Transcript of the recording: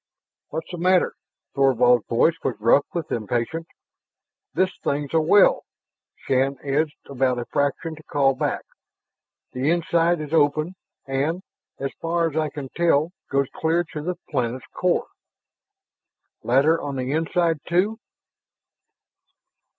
"What's the matter?" Thorvald's voice was rough with impatience. "This thing's a well." Shann edged about a fraction to call back. "The inside is open and as far as I can tell goes clear to the planet's core." "Ladder on the inside too?"